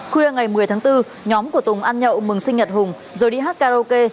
khuya ngày một mươi tháng bốn nhóm của tùng ăn nhậu mừng sinh nhật hùng rồi đi hát karaoke